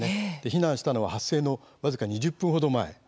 避難したのは発生の僅か２０分ほど前。